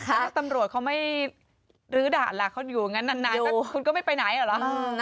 ถ้าตำรวจเขาไม่รื้อด่านล่ะเขาอยู่งั้นนั้นคุณก็ไม่ไปไหนเหรอล่ะ